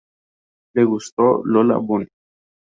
Le gusta Lola Bunny.